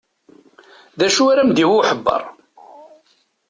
D acu ara m-d-yawi uḥebber?